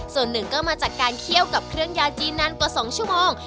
ส่วนหนึ่งก็มาจากการเคี่ยวกับเครื่องยาจีนนานกว่า๒ชั่วโมง